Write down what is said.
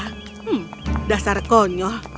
hmm dasar konyol